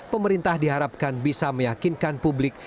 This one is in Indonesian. pemerintah diharapkan bisa meyakinkan publik